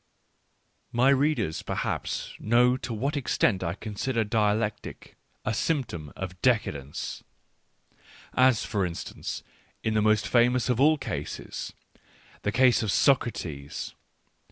My readers perhaps know to what extent I consider dia lectic a symptom of decadence, as, for instance, in the most famous of all cases — the case of Socrates.